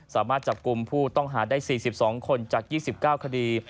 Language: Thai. สามารถจับกลุ่มผู้ต้องหาได้๔๒คนจาก๒๙คดี